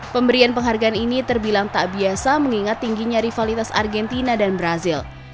pemberian penghargaan ini terbilang tak biasa mengingat tingginya rivalitas argentina dan brazil